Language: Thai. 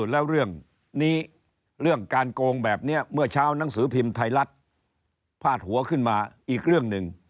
แล้วเรื่องนี้เรื่องการโกงแบบนี้เมื่อเช้านังสือพิมพ์ไทยรัฐพาดหัวขึ้นมาอีกเรื่องหนึ่ง